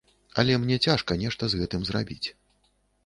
Але мне цяжка нешта з гэтым зрабіць.